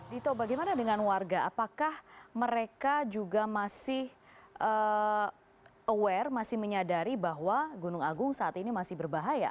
dito bagaimana dengan warga apakah mereka juga masih aware masih menyadari bahwa gunung agung saat ini masih berbahaya